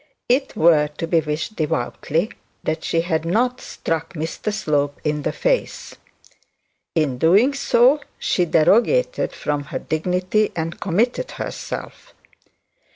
It were to be wished devoutly that she had not struck Mr Slope in the face. In doing so she derogated from her dignity and committed herself.